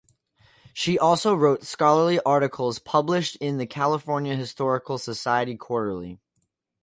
She also wrote scholarly articles published in the "California Historical Society Quarterly".